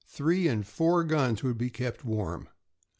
Three and four guns would be kept warm.